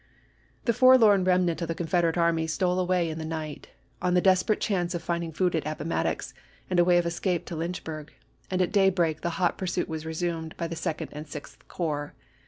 The forlorn remnant of the Confederate army stole away in the night, on the desperate chance of finding food at Appomattox and a way of escape to Lynchburg, and at daybreak the hot pursuit was resumed by the Second and Sixth Corps.